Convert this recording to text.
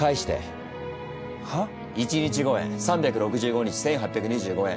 １日５円３６５日１，８２５円。